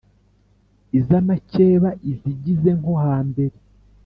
iz’amakeba izigize nko hambere.